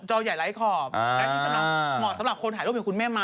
จอใหญ่ไร้ขอบเหมาะสำหรับคนถ่ายรูปเห็นคุณแม่มา